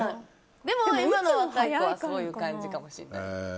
でも今の若い子はそういう感じかもしれない。